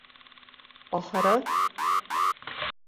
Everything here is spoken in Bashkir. Ахыры...